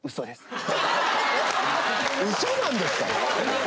ウソなんですか？